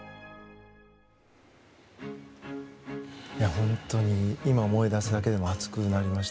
本当に今思い出すだけでも熱くなりました。